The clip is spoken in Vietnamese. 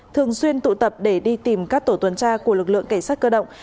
thường xuyên tụ tập để đi tìm các tổ tuần tra của lực lượng cảnh sát cơ động